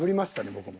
僕も。